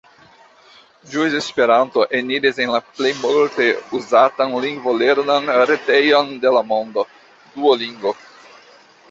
Ĵus Esperanto eniris en la plej multe uzatan lingvolernan retejon de la mondo, Duolingo.